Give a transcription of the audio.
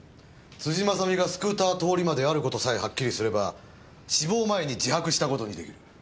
辻正巳がスクーター通り魔である事さえはっきりすれば死亡前に自白した事に出来る。